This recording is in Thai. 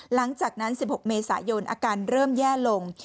หลังจากนั้น๑๖เมษายนอาการเริ่มแย่ลง